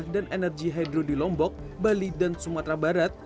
dan energi hidro di lombok bali dan sumatera barat